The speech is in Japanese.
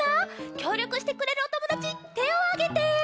きょうりょくしてくれるおともだちてをあげて！